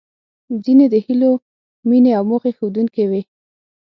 ځينې د هیلو، مينې او موخې ښودونکې وې.